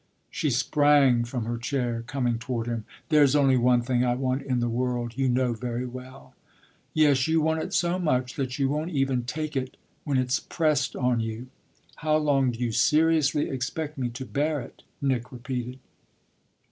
She sprang from her chair, coming toward him. "There's only one thing I want in the world you know very well." "Yes, you want it so much that you won't even take it when it's pressed on you. How long do you seriously expect me to bear it?" Nick repeated.